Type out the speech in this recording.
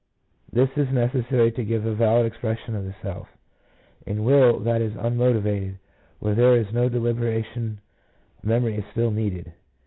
This is necessary to give a valid expression of the self. In will that is unimotived, where there is no deliberation, memory is still needed.